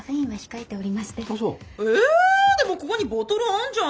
えでもここにボトルあんじゃん！